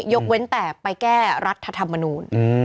ยกเว้นแต่ไปแก้รัฐธรรมนูล